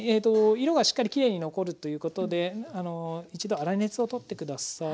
色がしっかりきれいに残るということで一度粗熱を取って下さい。